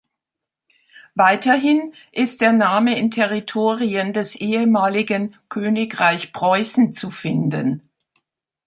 Weiterhin ist der Name in Territorien des ehemaligen Königreich Preußen zu finden.